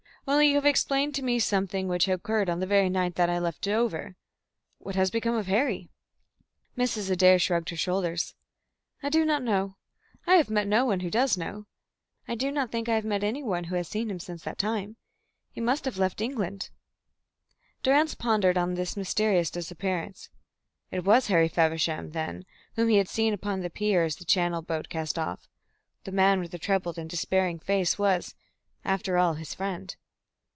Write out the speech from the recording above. Only you have explained to me something which occurred on the very night that I left Dover. What has become of Harry?" Mrs. Adair shrugged her shoulders. "I do not know. I have met no one who does know. I do not think that I have met any one who has even seen him since that time. He must have left England." Durrance pondered on this mysterious disappearance. It was Harry Feversham, then, whom he had seen upon the pier as the Channel boat cast off. The man with the troubled and despairing face was, after all, his friend.